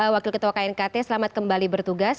wakil ketua knkt selamat kembali bertugas